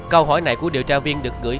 câu hỏi này của điều tra viên được gửi